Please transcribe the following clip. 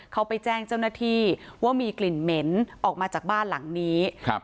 เขาไปแจ้งเจ้าหน้าที่ว่ามีกลิ่นเหม็นออกมาจากบ้านหลังนี้ครับ